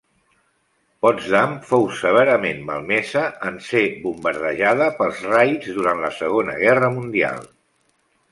Potsdam fou severament malmesa en ser bombardejada pels raids durant la Segona Guerra Mundial.